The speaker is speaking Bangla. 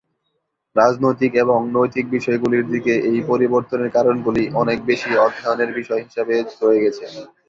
রাজনৈতিক এবং নৈতিক বিষয়গুলির দিকে এই পরিবর্তনের কারণগুলি অনেক বেশি অধ্যয়নের বিষয় হিসাবে রয়ে গেছে।